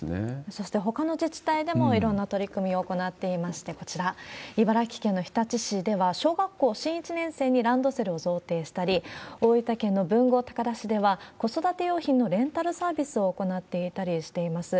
そしてほかの自治体でもいろんな取り組みを行っていまして、こちら、茨城県の日立市では、小学校新１年生にランドセルを贈呈したり、大分県の豊後高田市では、子育て用品のレンタルサービスを行っていたりしています。